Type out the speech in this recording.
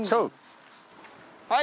はい！